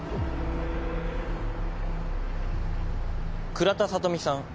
倉田聡美さん。